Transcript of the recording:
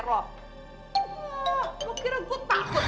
hah takut ada septa drop